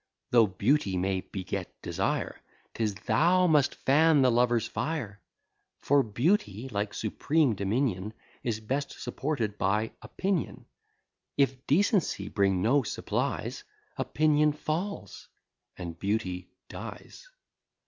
Though Beauty may beget desire, 'Tis thou must fan the Lover's fire; For Beauty, like supreme dominion, Is best supported by Opinion: If Decency bring no supplies, Opinion falls, and Beauty dies.